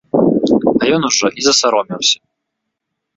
А ён ужо і засаромеўся.